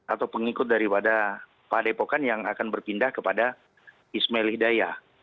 atau pengikut daripada pak depokan yang akan berpindah kepada ismail hidayah